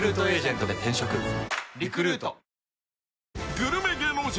グルメ芸能人